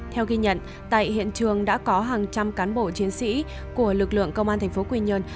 theo ghi nhận tại hiện trường đã có hàng trăm cán bộ chiến sĩ của lực lượng công an thành phố quy nhơn